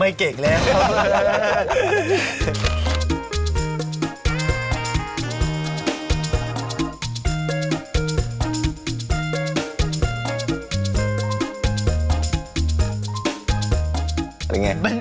ไม่เก่งแล้วครับ